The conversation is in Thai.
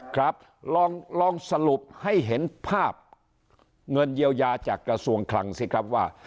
ครับลองสรุปให้เห็นภาพเงินเยียวยาจากกระทรวงคลังสิครับว่า